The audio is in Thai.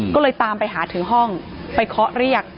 ก็เลยตามไปหาถึงห้องไปเคาะเรียก